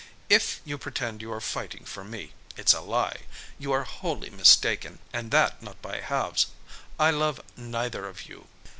If you pretend you are fighting for me, it's a lie; you are wholly mistaken, and that not by halves. I love neither of you.